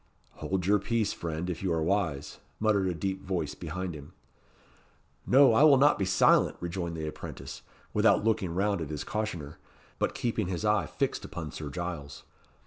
"Hold your peace, friend, if you are wise," muttered a deep voice behind him. "No, I will not be silent," rejoined the apprentice, without looking round at his cautioner, but keeping his eye fixed upon Sir Giles.